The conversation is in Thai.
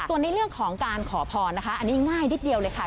ส่วนในเรื่องของการขอพรนะคะอันนี้ง่ายนิดเดียวเลยค่ะ